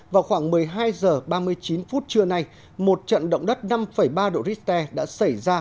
vào khoảng một mươi hai h ba mươi chín phút trưa nay một trận động đất năm ba độ richter đã xảy ra